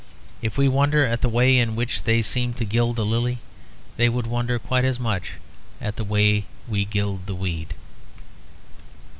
And if we wonder at the way in which they seem to gild the lily, they would wonder quite as much at the way we gild the weed.